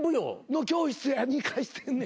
の教室に貸してんねん。